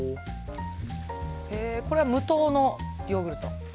これは無糖のヨーグルト？